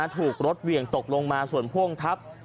ถูกรถเหวี่ยงตกลงมาส่วนพ่วงทับ